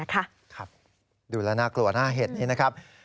ครับดูแล้วน่ากลัวหน้าเหตุนี้นะครับ